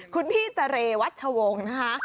คุณพี่เจรวัชวงศ์นะคะ